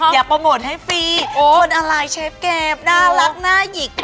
อยากโปรโมทให้ฟรีคนอะไรเชฟแกรมน่ารักน่าหยิก